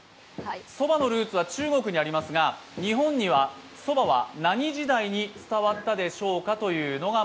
そばのルーツは中国にありますが、日本にはそばは何時代に伝わったでしょうか。